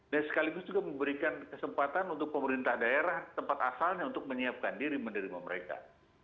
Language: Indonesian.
dan sekaligus juga memberikan kesempatan untuk pemerintah daerah tempat asalnya untuk menyiapkan diri menerima mereka